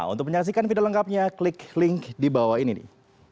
untuk menyaksikan video lengkapnya klik link di bawah ini nih